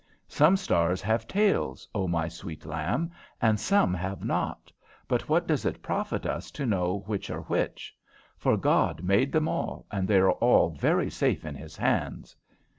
Some stars have tails, O my sweet lamb, and some have not; but what does it profit us to know which are which? For God made them all, and they are very safe in His hands.